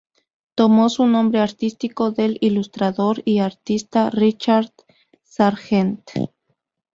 Tomó su nombre artístico del ilustrador y artista Richard Sargent.